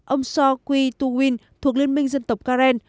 ông so kwi tu win thuộc liên minh dân tộc karen